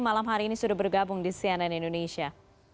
malam hari ini sudah bergabung di cnn indonesia